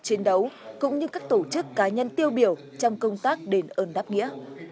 chiến đấu cũng như các tổ chức cá nhân tiêu biểu trong công tác đền ơn đáp nghĩa